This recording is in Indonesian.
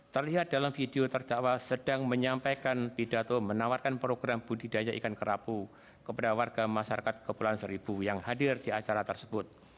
terlihat dalam video terdakwa sedang menyampaikan pidato menawarkan program budidaya ikan kerapu kepada warga masyarakat kepulauan seribu yang hadir di acara tersebut